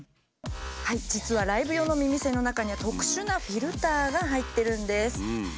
実はライブ用の耳栓の中には特殊なフィルターが入ってるんです。